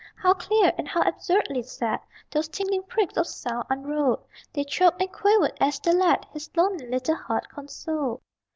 How clear, and how absurdly sad Those tingling pricks of sound unrolled; They chirped and quavered, as the lad His lonely little heart consoled.